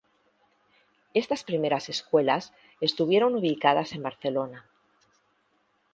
Estas primeras escuelas estuvieron ubicadas en Barcelona.